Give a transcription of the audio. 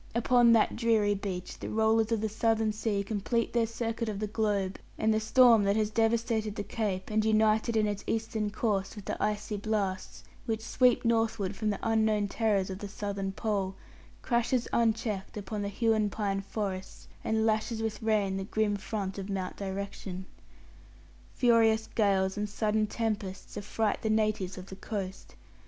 Upon that dreary beach the rollers of the southern sea complete their circuit of the globe, and the storm that has devastated the Cape, and united in its eastern course with the icy blasts which sweep northward from the unknown terrors of the southern pole, crashes unchecked upon the Huon pine forests, and lashes with rain the grim front of Mount Direction. Furious gales and sudden tempests affright the natives of the coast.